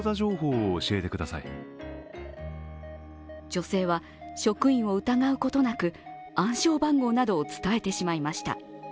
女性は職員を疑うことなく暗証番号などを伝えてしまいました。